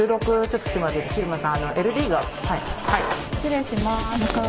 失礼します。